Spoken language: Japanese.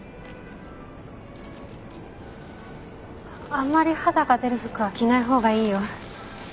あんまり肌が出る服は着ない方がいいよ。